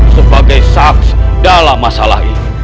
sebagai saksi dalam masalah ini